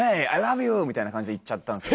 みたいな感じでいっちゃったんですよ。